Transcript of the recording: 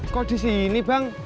kok disini bang